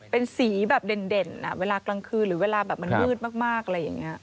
เป็นสีแบบเด่นเวลากลางคืนหรือเวลาแบบมันมืดมากอะไรอย่างนี้